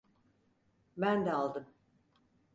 Ben de aldım.